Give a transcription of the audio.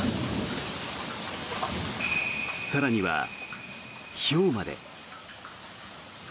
更には、ひょうまで。